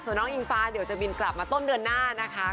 ส่วนน้องอิงฟ้าเดี๋ยวจะบินกลับมาต้นเดือนหน้านะคะ